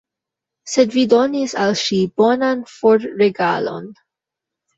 Sed vi donis al ŝi bonan forregalon!